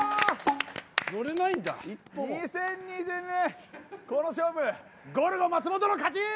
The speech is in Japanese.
２０２２年、この勝負ゴルゴ松本の勝ち！